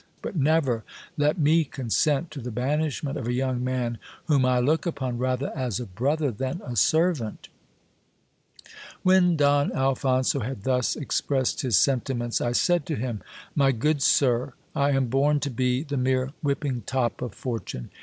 but never let me consent to the banishment of a young man whom I look upon rather as a brother than a servant ! When Don Alphonso had thus expressed his sentiments, I said to him : My good sir, I am born to be the mere whipping top of fortune.